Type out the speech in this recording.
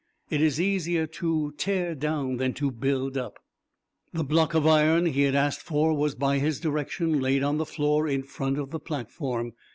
It is easier to tear down than to build up." The block of iron he had asked for was by his direction laid on the floor in front of the platform.